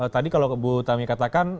tadi kalau bu tami katakan